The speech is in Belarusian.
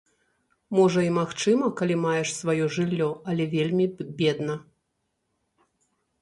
Можа, і магчыма, калі маеш сваё жыллё, але вельмі бедна.